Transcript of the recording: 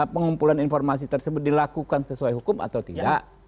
pengumpulan informasi tersebut dilakukan sesuai hukum atau tidak